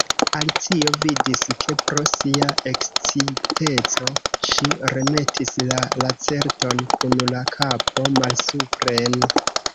Alicio vidis, ke pro sia eksciteco ŝi remetis la Lacerton kun la kapo malsupren.